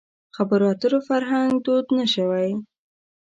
خبرو اترو فرهنګ دود نه شوی.